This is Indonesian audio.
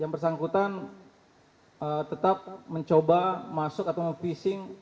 yang bersangkutan tetap mencoba masuk atau mem phishing